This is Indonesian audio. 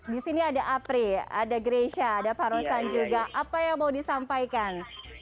disini ada apri ada grecia ada parosan juga apa yang mau disampaikan